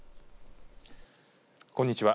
こんにちは。